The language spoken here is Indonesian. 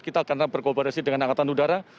kita karena berkobarisi dengan angkatan udara